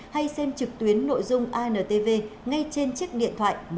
hay xem trực tuyến nội dung antv ngay trên chiếc điện thoại